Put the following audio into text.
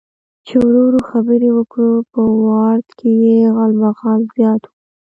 چې ورو ورو خبرې وکړو، په وارډ کې یې غالمغال زیات و.